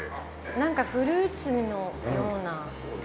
なんかフルーツのような。